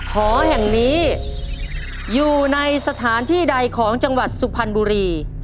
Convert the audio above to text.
หอแห่งนี้อยู่ในสถานที่ใดของจังหวัดสุพรรณบุรี